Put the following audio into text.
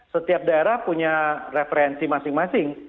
setiap daerah punya referensi masing masing